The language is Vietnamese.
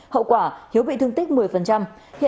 hậu quả hiếu bị thương tích một mươi